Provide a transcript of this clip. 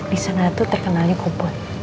disana tuh terkenalnya kompoi